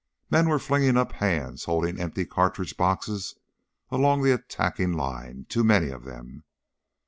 Men were flinging up hands holding empty cartridge boxes along the attacking line too many of them.